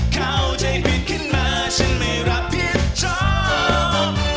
เข้าใจผิดขึ้นมาฉันไม่รับผิดชอบ